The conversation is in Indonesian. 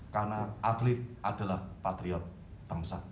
karena atlet adalah patriot bangsa